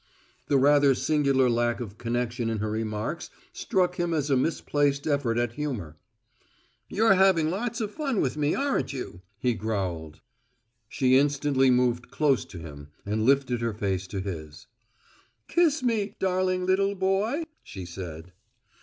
The rather singular lack of connection in her remarks struck him as a misplaced effort at humour. "You're having lots of fun with me, aren't you?" he growled. She instantly moved close to him and lifted her face to his. "Kiss me, darling little boy!" she said.